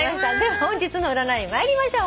本日の占い参りましょう。